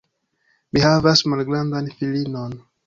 Mi havas malgrandan filinon.